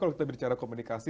kalau kita bicara komunikasi